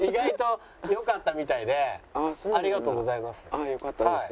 ああよかったです。